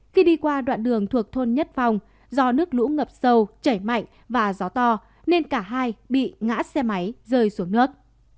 khi đi qua đoạn đường thuộc thôn nhất phong do nước lũ ngập sâu chảy mạnh và gió to nên cả hai bị ngã xe máy rơi xuống nước